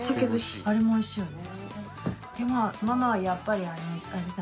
あれも美味しいよね。